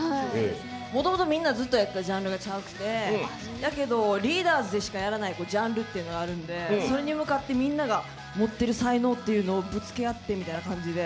もともとみんなずっとやってたジャンルがちゃうくてだけど、リーダーズでしかやらないジャンルがあるのでそれに向かってみんなが持ってる才能をぶつけ合ってみたいな感じで。